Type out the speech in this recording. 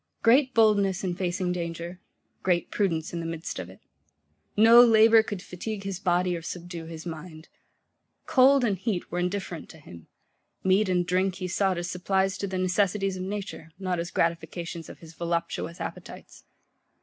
Great boldness in facing danger; great prudence in the midst of it. No labour could fatigue his body or subdue his mind. Cold and heat were indifferent to him: meat and drink he sought as supplies to the necessities of nature, not as gratifications of his voluptuous appetites.